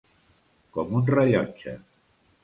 Com un rellotge.